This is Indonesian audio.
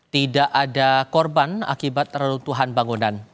tidak ada korban akibat reruntuhan bangunan